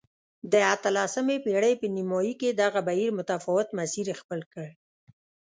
د اتلسمې پېړۍ په نیمايي کې دغه بهیر متفاوت مسیر خپل کړ.